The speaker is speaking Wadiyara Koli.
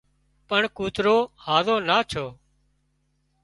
پڻ ڪوترو هازو نا ڇو